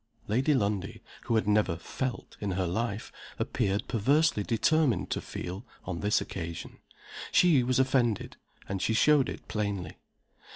Lady Lundie, who had never "felt" in her life, appeared perversely determined to feel, on this occasion. She was offended and she showed it plainly.